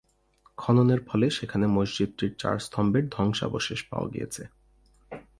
খননের ফলে সেখানে মসজিদটির চার স্তম্ভের ধ্বংসাবশেষ পাওয়া গিয়েছে।